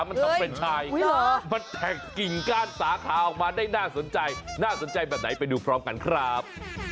มันต้องเป็นชายมันแท็กกิ่งก้านสาขาออกมาได้น่าสนใจน่าสนใจแบบไหนไปดูพร้อมกันครับ